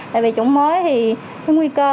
tại vì chủng mới thì nguy cơ